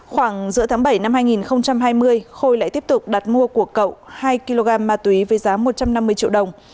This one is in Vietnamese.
khoảng giữa tháng bảy năm hai nghìn hai mươi khôi lại tiếp tục đặt mua của cậu hai kg ma túy với giá một trăm năm mươi triệu đồng